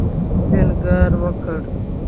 ټینګار وکړ.